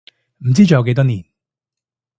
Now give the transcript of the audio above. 唔知仲有幾多年